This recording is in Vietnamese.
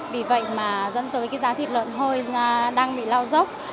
vì vậy mà dẫn tới cái giá thịt lợn hơi đang bị lao dốc